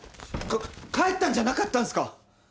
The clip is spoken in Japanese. か帰ったんじゃなかったんすか？